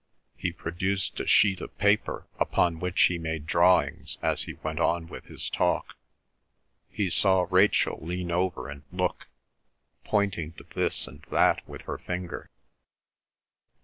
He produced a sheet of paper upon which he made drawings as he went on with his talk. He saw Rachel lean over and look, pointing to this and that with her finger.